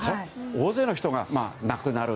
大勢の人が亡くなる。